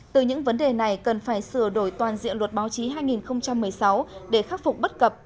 từ những vấn đề này cần phải sửa đổi toàn diện luật báo chí hai nghìn một mươi sáu để khắc phục bất cập